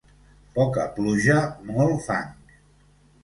Poca pluja, molt fang.